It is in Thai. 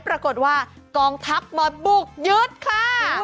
ปรากฏว่ากองทัพมาบุกยึดค่ะ